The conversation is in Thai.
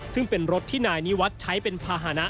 ซึ่งเป็นรถที่นายนิวัฒน์ใช้เป็นภาษณะ